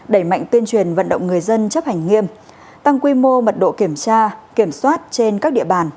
đẩy mạnh tuyên truyền vận động người dân chấp hành nghiêm tăng quy mô mật độ kiểm tra kiểm soát trên các địa bàn